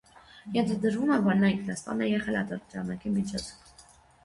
Ենթադրվում է, որ նա ինքնասպան է եղել ատրճանակի միջոցով։